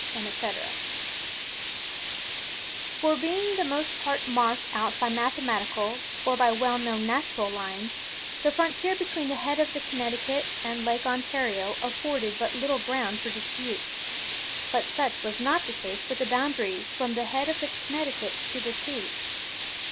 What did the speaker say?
"Being for the most part marked out by mathematical, or by well known natural lines, the frontier between the head of the Connecticut and Lake Ontario afforded but little ground for dispute. But such was not the case with the boundary from the head of the Connecticut to the sea.